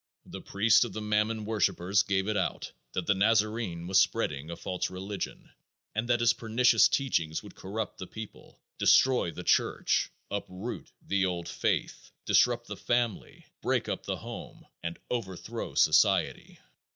The priest of the Mammon worshipers gave it out that the Nazarene was spreading a false religion and that his pernicious teachings would corrupt the people, destroy the church, uproot the old faith, disrupt the family, break up the home, and overthrow society.